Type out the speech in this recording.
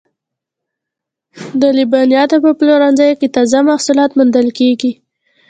د لبنیاتو په پلورنځیو کې تازه محصولات موندل کیږي.